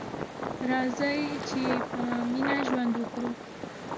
راځئ چې په مینه ژوند وکړو.